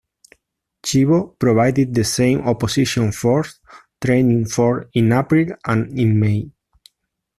"Chivo" provided the same "opposition force" training for in April and in May.